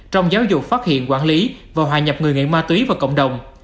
trong giáo dục phát hiện quản lý và hòa nhập người nghiện ma túy vào cộng đồng